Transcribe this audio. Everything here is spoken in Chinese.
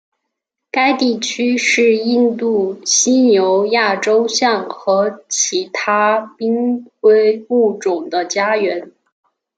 该地区是印度犀牛亚洲象和其他濒危物种的家园。